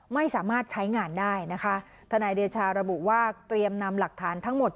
ไม่สามารถใช้งานได้นะคะทนายเดชาระบุว่าเตรียมนำหลักฐานทั้งหมด